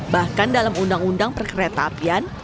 bahkan dalam undang undang perkereta apian